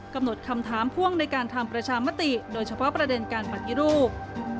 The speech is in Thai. กำหนดคำถามพ่วงในการทำประชามติโดยเฉพาะประเด็นการปฏิรูป